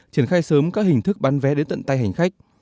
triển khai sớm các hình thức bán vé đến tận tay hành khách